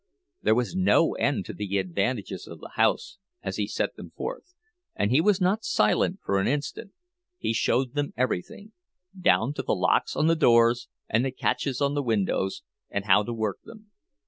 There was no end to the advantages of the house, as he set them forth, and he was not silent for an instant; he showed them everything, down to the locks on the doors and the catches on the windows, and how to work them.